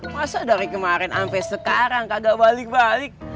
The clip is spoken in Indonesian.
masa dari kemarin sampai sekarang kagak balik balik